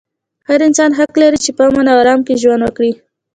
هر انسان حق لري چې په امن او ارام کې ژوند وکړي.